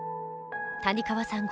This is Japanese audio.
谷川さん